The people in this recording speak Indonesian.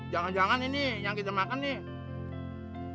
jangan jangan ini yang kita makan nih